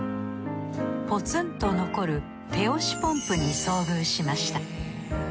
ポツンと残る手押しポンプに遭遇しました。